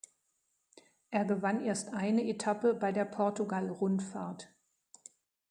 Er gewann erst eine Etappe bei der Portugal-Rundfahrt.